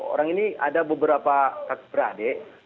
orang ini ada beberapa kak beradik